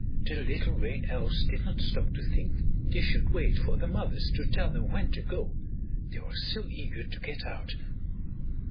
The little Rain Elves did not stop to think they should wait for their mothers to tell them when to go, they were so eager to get out.